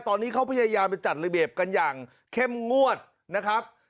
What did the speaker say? ตอนนี้เขาพยายามจะจัดระเบียบกันอย่างเข้มงวดนะครับ